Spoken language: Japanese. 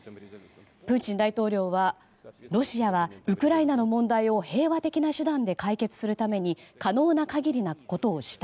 プーチン大統領はロシアはウクライナの問題を平和的な手段で解決するために可能な限りなことをした。